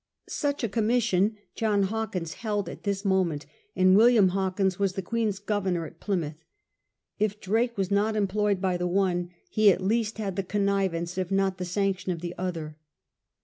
Such a commission John Hawkins held at this moment, and William Hawkins was the Queen's Governor of Plymouth. If Drake was not employed by the one, he at least had the connivance, if not the sanction, of the other.